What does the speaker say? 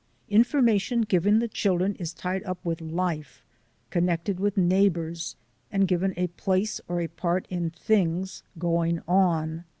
Information given the children is tied up with life, connected with neighbours, and given a place or a part in things going on.